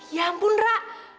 ya ampun ra